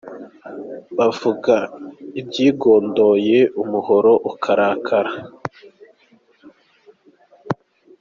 Bavuga ibyigondoye umuhoro ukarakara.